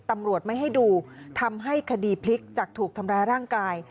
ตำรวจไม่ให้ดูทำให้คดีพลิกจากถูกทำร้ายร่างกาย